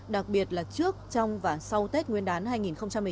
đặc biệt là trước trong và sau tết nguyên đán hai nghìn một mươi chín